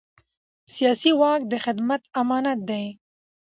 سیاسي واک د خدمت امانت دی